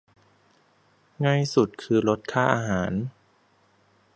ง่ายสุดคือลดค่าอาหาร